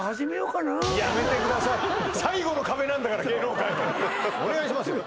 最後の壁なんだから芸能界のお願いしますよ